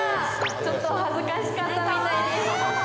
ちょっと恥ずかしかったみたいです。